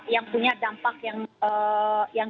yang punya dampak yang